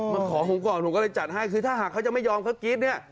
มาขอผมก่อนผมก็เลยจัดให้คือถ้าหากเขาจะไม่ยอมเขากรี๊ดเนี่ย